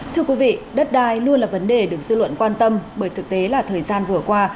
thưa quý vị đất đai luôn là vấn đề được dư luận quan tâm bởi thực tế là thời gian vừa qua